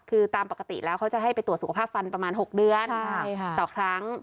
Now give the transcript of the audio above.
คือตามปกติแล้วเขาจะให้ไปตรวจสุขภาพฟันประมาณ๖เดือนต่อครั้ง